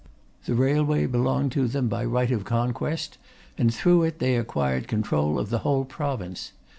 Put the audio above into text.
The railway belonged to them by right of conquest, and through it they acquired control of the whole province.